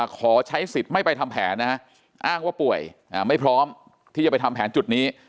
ขอใช้สิทธิ์ไม่ไปทำแผนนะฮะอ้างว่าป่วยไม่พร้อมที่จะไปทำแผนจุดนี้